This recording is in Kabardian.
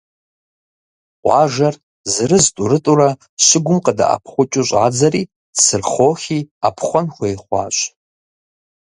Къуажэр зырыз-тӏурытӏурэ щыгум къыдэӏэпхъукӏыу щӏадзэри, Цырхъохи ӏэпхъуэн хуей хъуащ.